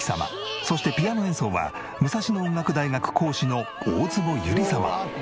そしてピアノ演奏は武蔵野音楽大学講師の大坪由里様。